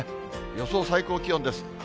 予想最高気温です。